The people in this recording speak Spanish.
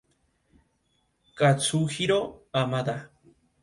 La Liga de San Marino es una liga aficionada.